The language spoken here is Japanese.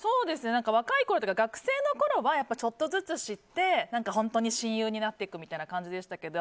若いころというか学生のころだったらちょっとずつ知って本当に親友になっていくという感じでしたけど